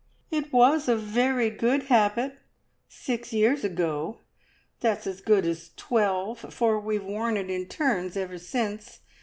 "It was a very good habit six years ago! That's as good as twelve, for we've worn it in turns ever since.